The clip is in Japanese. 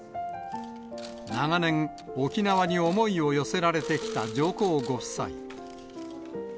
長年、沖縄に思いを寄せられてきた上皇ご夫妻。